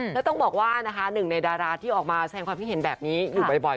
แล้วต้องบอกว่านะคะหนึ่งในดาราที่ออกมาแสงความคิดเห็นแบบนี้อยู่บ่อย